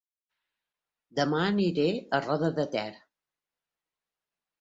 Dema aniré a Roda de Ter